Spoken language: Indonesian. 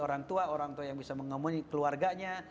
orang tua orang tua yang bisa mengomoni keluarganya